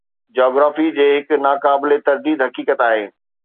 Geography جي هڪ ناقابل ترديد حقيقت آهي.